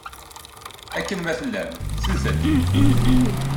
Akken ma tellam, slet-d!